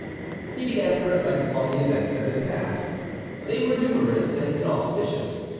He began to reflect upon the events that had passed; they were numerous and inauspicious.